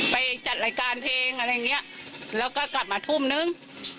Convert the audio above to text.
ไปจัดรายการเพลงอะไรอย่างเงี้ยแล้วก็กลับมาทุ่มนึง